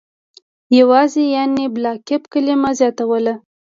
یوازې «بلاکیف» کلمه زیاتوله.